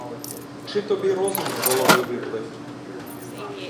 Чи тобі розум з голови виплив?